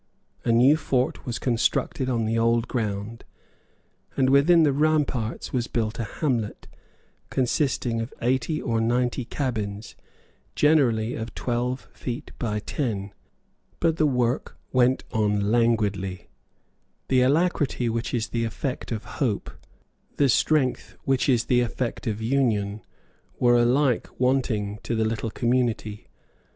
A new fort was constructed on the old ground; and within the ramparts was built a hamlet, consisting of eighty or ninety cabins, generally of twelve feet by ten. But the work went on languidly. The alacrity which is the effect of hope, the strength which is the effect of union, were alike wanting to the little community.